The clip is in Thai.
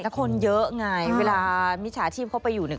แล้วคนเยอะไงเวลามิจฉาชีพเข้าไปอยู่เนี่ย